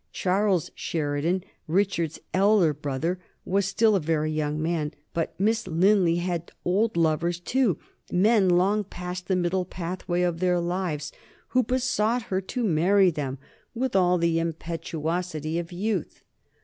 Charles Sheridan, Richard's elder brother, was still a very young man. But Miss Linley had old lovers too, men long past the middle pathway of their lives, who besought her to marry them with all the impetuosity of youth.